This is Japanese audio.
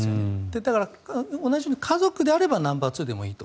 だから、同じように家族であればナンバーツーでもいいと。